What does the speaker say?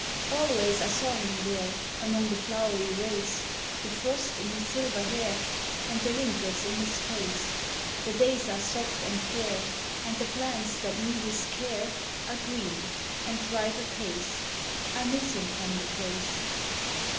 L WAYS I saw him there Among the flowery race, The frost in his silver hair And the wrinkles in his face : The days are soft and fair, And the plants that knew his care Are green, and thrive apace, I miss him from the place.